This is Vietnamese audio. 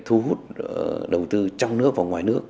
thu hút đầu tư trong nước và ngoài nước